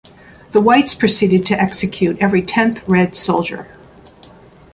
The whites proceeded to execute every tenth Red soldier.